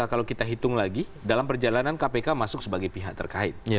kalau kita hitung lagi dalam perjalanan kpk masuk sebagai pihak terkait